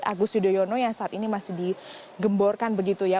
agus yudhoyono yang saat ini masih digemborkan begitu ya